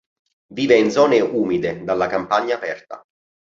Vive in zone umide dalla campagna aperta.